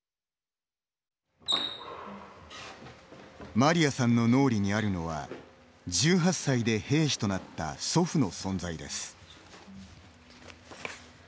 マリアさんの脳裏にあるのは１８歳で兵士となった祖父の存在です。